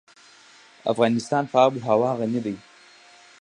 افغانستان په آب وهوا غني دی.